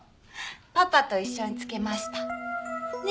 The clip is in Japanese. パパと一緒に付けました。ね？